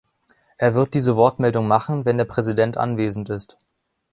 Er wird diese Wortmeldung machen, wenn der Präsident anwesend ist.